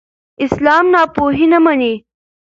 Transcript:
اسلام ناپوهي نه مني.